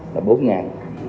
là bốn ngàn